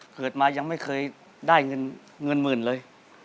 เกิดมายังไม่เคยได้เงินหมื่นเลย